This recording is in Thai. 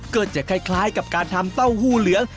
ก็จะคล้ายกับการทำเต้าหู้เหลือง